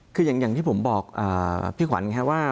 คืออย่างที่ผมบอกพี่ขวัญแค่ว่า